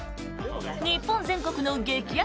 日本全国の激熱！